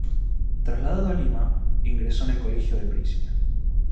Trasladado a Lima, ingresó en el colegio del Príncipe.